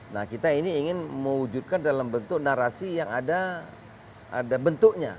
nah kita ini ingin mewujudkan dalam bentuk narasi yang ada bentuknya